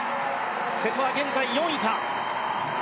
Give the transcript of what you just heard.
瀬戸は現在４位か。